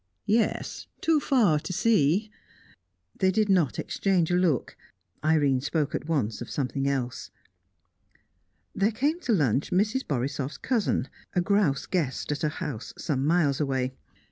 "Yes; too far to see." They did not exchange a look. Irene spoke at once of something else. There came to lunch Mrs. Borisoff's cousin, a grouse guest at a house some miles away.